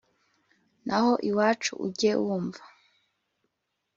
naho iwacu ujye wumva